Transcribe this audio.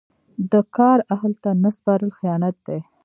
د کار اهل ته نه سپارل خیانت دی.